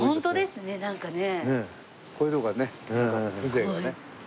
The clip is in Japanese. こういうとこがね風情がね。